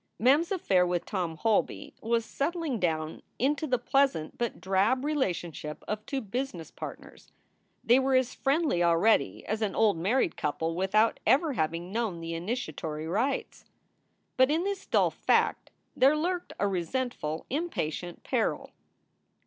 Mem s affair with Tom Holby was settling down into the pleasant but drab relationship of two business partners. They were as friendly already as an old married couple with out ever having known the initiatory rites. But in this dull fact there lurked a resentful, impatient peril.